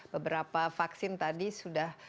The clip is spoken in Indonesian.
beberapa vaksin tadi sudah